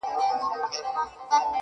زړگى مي غواړي چي دي خپل كړمه زه.